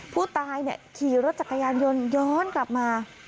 ผู้ตายขี่รถจักรยานยนต์ย้อนกลับมา